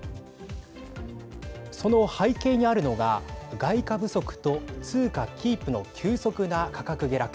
その背景にあるのが外貨不足と通貨キープの急速な価格下落。